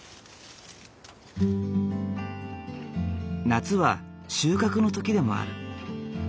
夏は収穫の時でもある。